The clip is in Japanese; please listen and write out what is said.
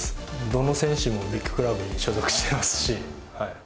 どの選手もビッグクラブに所属してますし。